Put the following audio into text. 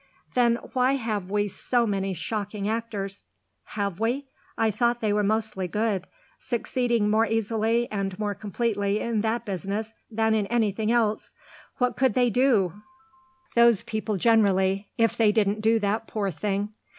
"Then why have we so many shocking actors?" "Have we? I thought they were mostly good; succeeding more easily and more completely in that business than in anything else. What could they do those people generally if they didn't do that poor thing?